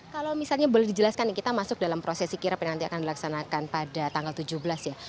kalau misalnya boleh dijelaskan kita masuk dalam prosesi kirap yang nanti akan dilaksanakan pada tanggal tujuh belas ya